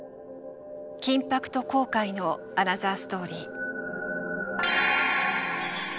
緊迫と後悔のアナザーストーリー。